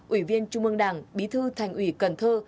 ủy viên trung mương đảng bí thư thành ủy cần thơ